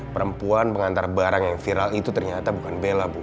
perempuan pengantar barang yang viral itu ternyata bukan bela bu